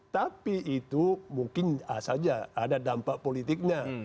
tapi itu mungkin saja ada dampak politiknya